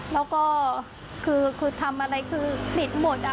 แล้วก็คือทำอะไรคือผิดหมด